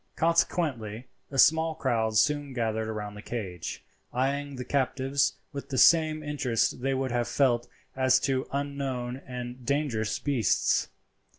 Consequently a small crowd soon gathered round the cage, eyeing the captives with the same interest they would have felt as to unknown and dangerous beasts.